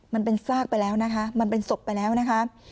มันเป็นซากไปแล้วนะคะมันเป็นศพไปแล้วนะคะ